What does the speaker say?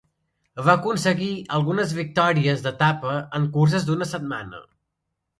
Va aconseguir algunes victòries d'etapa en curses d'una setmana.